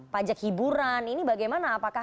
pajak hiburan ini bagaimana apakah